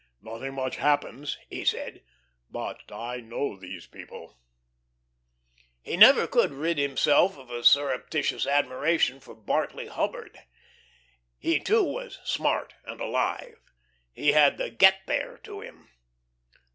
"Nothing much happens," he said. "But I know all those people." He never could rid himself of a surreptitious admiration for Bartley Hubbard. He, too, was "smart" and "alive." He had the "get there" to him.